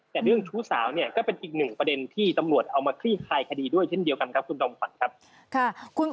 แต่เรื่องชู้สาวเนี่ยก็เป็นอีกหนึ่งประเด็นที่ตำรวจเอามาคลี่คลายคดีด้วยเช่นเดียวกันครับคุณจอมขวัญครับ